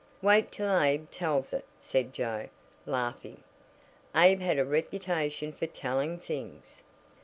"Wait till Abe tells it," said Joe, laughing. Abe had a reputation for "telling things."